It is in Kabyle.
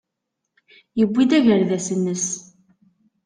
Yewwi-d agerdas-nnes.